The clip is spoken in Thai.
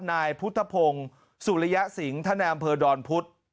นายพุทธพงศ์สุริยสิงห์ท่านในอำเภอดอนพุธ